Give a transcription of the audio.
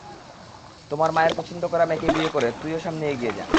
তোমার মায়ের পছন্দ করা মেয়েকে বিয়ে করে, তুইও সামনে এগিয়ে যা।